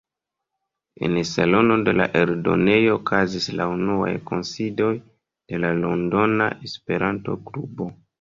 En salono de la eldonejo okazis la unuaj kunsidoj de la Londona Esperanto Klubo.